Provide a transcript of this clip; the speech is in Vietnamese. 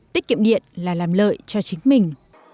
tiết kiệm điện là làm lợi cho chính mình